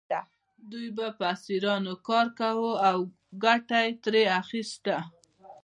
دوی به په اسیرانو کار کاوه او ګټه یې ترې اخیسته.